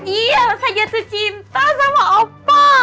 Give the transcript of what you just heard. iya saya jatuh cinta sama opa